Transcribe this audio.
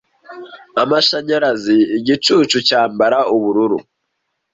Amashanyarazi, igicucu cyamabara Ubururu